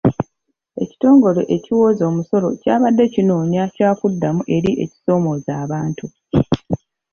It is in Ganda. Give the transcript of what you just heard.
Ekitongole ekiwooza omusolo kyabadde kinoonya kyakuddamu eri ebisoomooza abantu.